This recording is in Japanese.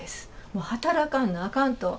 もう働かなあかんと。